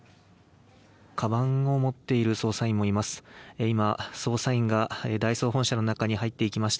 かばんを持っている捜査員もいます。